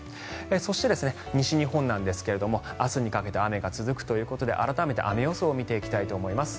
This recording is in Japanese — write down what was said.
そして、西日本なんですが明日にかけて雨が続くということで改めて雨予想を見ていきたいと思います。